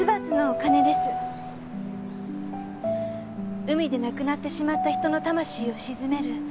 海で亡くなってしまった人の魂を鎮める祈りの鐘ですね。